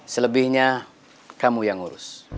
selebihnya kamu yang urus